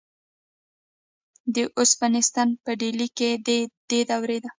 د اوسپنې ستن په ډیلي کې د دې دورې ده.